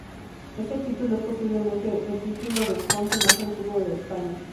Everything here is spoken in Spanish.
Este título es posiblemente el título de "Conde" más antiguo de España.